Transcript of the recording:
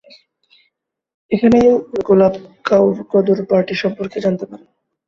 এখানেই গুলাব কাউর গদর পার্টি সম্পর্কে জানতে পারেন।